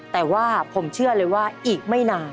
แต่ว่าผมเชื่อเลยว่าอีกไม่นาน